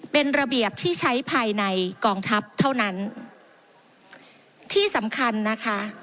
เป็นระเบียบที่ใช้ภายในกองทัพเท่านั้นที่สำคัญนะคะ